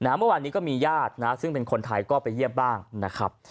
เมื่อวานนี้ก็มีญาติซึ่งเป็นคนไทยก็ไปเยี่ยมบ้างนะครับ